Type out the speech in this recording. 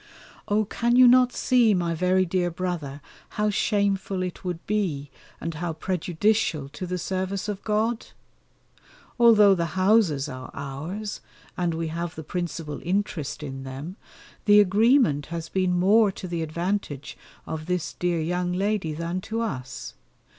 Oh! can you not see, my very dear brother, how shameful it would be, and how prejudicial to the service of God? Although the houses are ours, and we have the principal interest in them, the agreement has been more to the advantage of this dear young lady than to us.